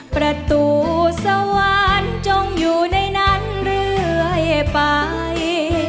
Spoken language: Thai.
ประตูสวรรค์จงอยู่ในนั้นเรื่อยไป